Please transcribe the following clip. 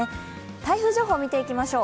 台風情報を見ていきましょう。